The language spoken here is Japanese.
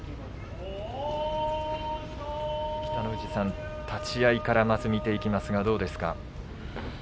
北の富士さん、立ち合いからまず見ていきますがどうですか。